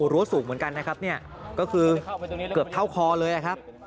รั้วสูงเหมือนกันนะครับเนี่ยก็คือเกือบเท่าคอเลยครับ